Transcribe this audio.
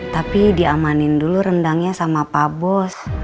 tapi diamanin dulu rendangnya sama pak bos